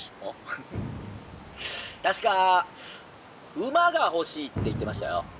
確か馬が欲しいって言ってましたよ」。